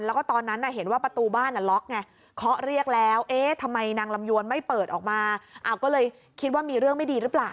แล้วก็ตอนนั้นเห็นว่าประตูบ้านล็อกไงเคาะเรียกแล้วเอ๊ะทำไมนางลำยวนไม่เปิดออกมาก็เลยคิดว่ามีเรื่องไม่ดีหรือเปล่า